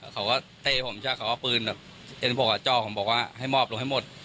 เขาก็เทผมใช่ไหมเขาก็ปืนแบบเอ็นโปรกกับจอบผมบอกว่าให้มอบลงให้หมด